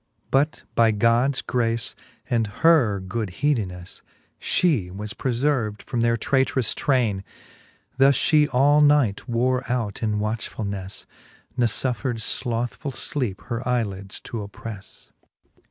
But by Gods grace, and her good heedineflfe. She was preferved from their traytrous traine. Thus flie all night wore out in watchfulnefl^, Ne fuflfred flothfull fleepe her eyelids to opprefle, XXXV.